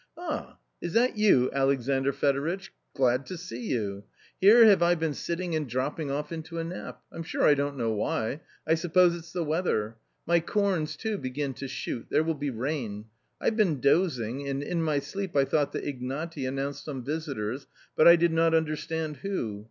" Ah, is that you, Alexandr Fedoritch? Glad to see you. Here have I been sitting and dropping off into a nap. I'm sure I don't know why, I suppose it's the weather. My corns too begin to shoot — there will be rain. I've been dozing, and in my sleep I thought that Ignaty announced some visitors, but I did not understand who.